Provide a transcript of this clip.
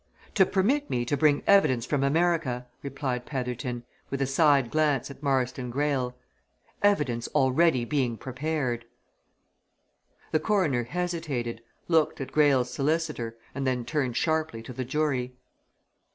"To permit me to bring evidence from America," replied Petherton, with a side glance at Marston Greyle. "Evidence already being prepared." The Coroner hesitated, looked at Greyle's solicitor, and then turned sharply to the jury.